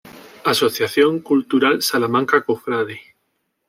Asociación Cultural Salamanca Cofrade